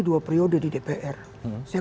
dua periode di dpr saya